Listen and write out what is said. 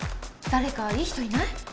誰かいい人いない？